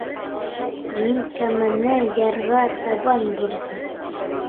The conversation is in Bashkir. Мин кәмәне ярға табан борҙом.